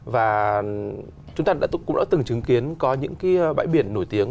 và chúng ta cũng đã từng chứng kiến có những cái bãi biển nổi tiếng